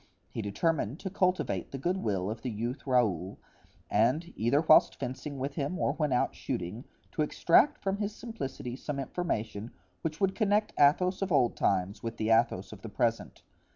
He determined to cultivate the good will of the youth Raoul and, either whilst fencing with him or when out shooting, to extract from his simplicity some information which would connect the Athos of old times with the Athos of the present.